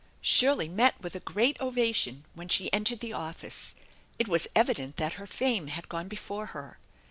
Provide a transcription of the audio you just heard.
Shirley met with a great ovation when she entered the office. It was evident that her fame had gone before her.